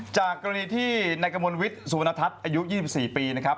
จากกรณีที่ในกระมวลวิทย์สุวรรณทัศน์อายุ๒๔ปีนะครับ